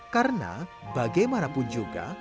karena bagaimanapun juga